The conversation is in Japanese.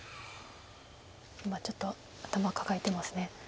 今ちょっと頭抱えてます。